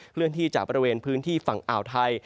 เลื่อนที่จากบริเวณพื้นที่ฝั่งอ่าวไทย